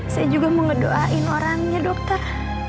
saya juga mau ngedoain orangnya dokter